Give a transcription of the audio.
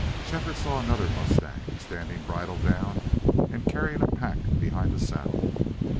Shefford saw another mustang, standing bridle down and carrying a pack behind the saddle.